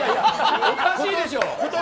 おかしいでしょ！